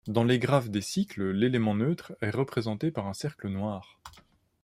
Dans les graphes des cycles, l'élément neutre est représenté par un cercle noir.